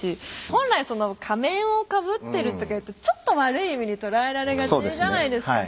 本来その仮面をかぶってるとかいうとちょっと悪い意味に捉えられがちじゃないですか。